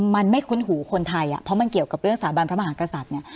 มันไม่คุ้นหูคนไทยเพราะมันเกี่ยวกับเรื่องสถาบันพระมหากษัตริย์เนี่ย